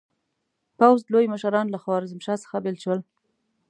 پوځ لوی مشران له خوارزمشاه څخه بېل شول.